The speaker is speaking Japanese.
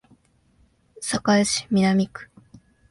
堺市南区